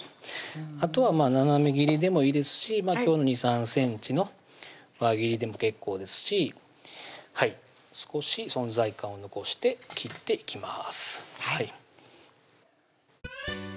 あとは斜め切りでもいいですし今日の２３ｃｍの輪切りでも結構ですし少し存在感を残して切っていきます